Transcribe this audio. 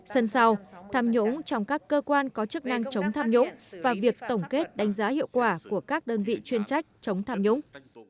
sân sau tham nhũng trong các cơ quan có chức năng chống tham nhũng và việc tổng kết đánh giá hiệu quả của các đơn vị chuyên trách chống tham nhũng